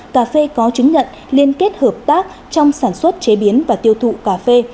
cà phê có chứng nhận liên kết hợp tác trong sản xuất chế biến và tiêu thụ cà phê